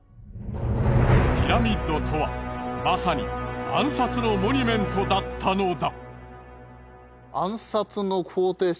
ピラミッドとはまさに暗殺のモニュメントだったのだ。